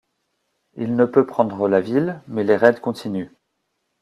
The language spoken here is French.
Il ne peut prendre la ville, mais les raids continuent.